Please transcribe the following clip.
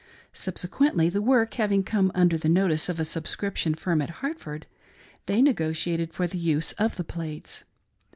Subsequently the work having come under the notice of a subscription firm at Hartford, they negotiated for the use of the plates.